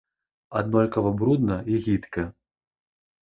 Аднолькава брудна і гідка.